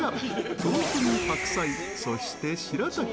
豆腐に白菜、そして、しらたき。